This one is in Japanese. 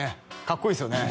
かっこいいっすよね